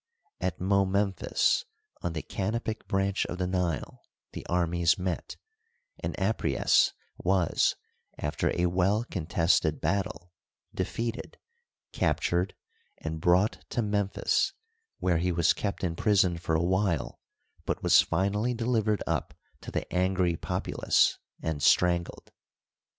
At Momemphis, on the Canopic branch of the Nile, the armies met, and Apries was, after a well con tested battle, defeated, captured, and brought to Mem phis, where he was kept in prison for a while, but was finally delivered up to the angry populace and strangled.